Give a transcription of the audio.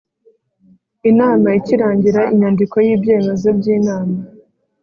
Inama ikirangira inyandiko y ibyemezo by inama